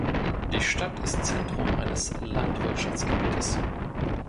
Die Stadt ist Zentrum eines Landwirtschaftsgebietes.